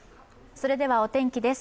それではお天気です。